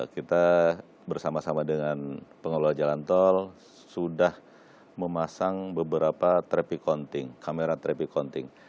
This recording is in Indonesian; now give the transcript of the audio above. kita bersama sama dengan pengelola jalan tol sudah memasang beberapa kamera traffic counting